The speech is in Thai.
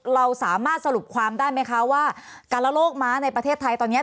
เราสามารถสรุปความได้ไหมคะว่าการละโลกม้าในประเทศไทยตอนนี้